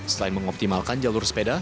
selain mengoptimalkan jalur sepeda